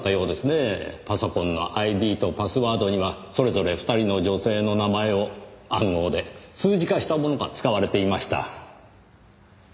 パソコンのＩＤとパスワードにはそれぞれ２人の女性の名前を暗号で数字化したものが使われていました。